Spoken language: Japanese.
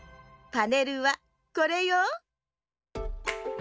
パネルはこれよ。